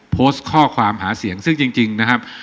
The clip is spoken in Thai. โพสต์ข้อความหาเสียงซึ่งจริงนะครับ